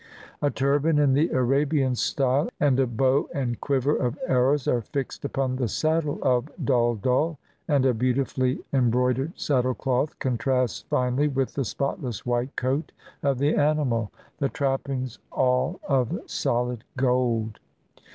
A turban in the Arabian style and a bow and quiver of arrows are fixed upon the saddle of Dhull dhull ; and a beauti fully embroidered saddlecloth contrasts finely with the spotless white coat of the animal — the trappings all of solid gold.